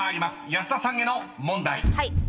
［保田さんへの問題］